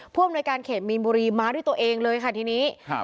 อำนวยการเขตมีนบุรีมาด้วยตัวเองเลยค่ะทีนี้ครับ